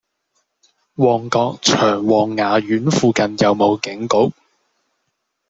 旺角長旺雅苑附近有無警局？